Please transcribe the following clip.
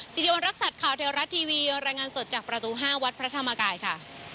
สิริวัณรักษัตริย์ข่าวเทวรัฐทีวีรายงานสดจากประตู๕วัดพระธรรมกายค่ะ